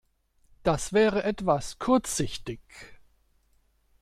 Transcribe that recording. Das wäre etwas kurzsichtig.